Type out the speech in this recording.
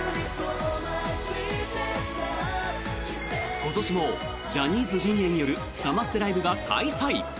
今年もジャニーズＪｒ．によるサマステライブが開催！